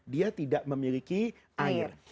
dia tidak memiliki air